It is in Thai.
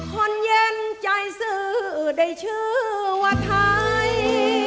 คนเย็นใจซื้อได้ชื่อว่าไทย